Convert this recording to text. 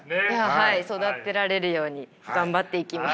はい育てられるように頑張っていきます。